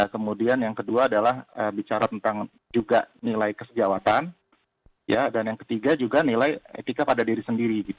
kemudian yang kedua adalah bicara tentang juga nilai kesejawatan dan yang ketiga juga nilai etika pada diri sendiri